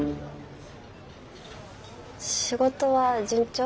仕事は順調？